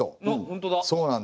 本当だ。